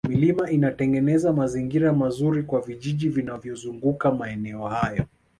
milima inatengeneza mazingira mazuri kwa vijiji vinavyozunguka maeneo hayo